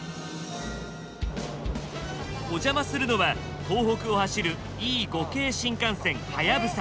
お邪魔するのは東北を走るＥ５系新幹線はやぶさ。